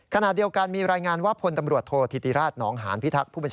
ขณะเดียวกันมีรายงานว่าผลตำรวจโทษธิติราชนองหานพิทักษ์